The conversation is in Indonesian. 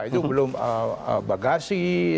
itu belum bagasi